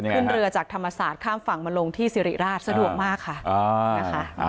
ขึ้นเรือจากธรรมศาสตร์ข้ามฝั่งมาลงที่สิริราชสะดวกมากค่ะนะคะ